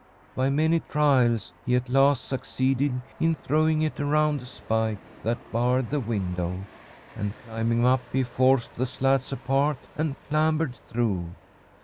By many trials he at last succeeded in throwing it around a spike that barred the window, and, climbing up, he forced the slats apart and clambered through.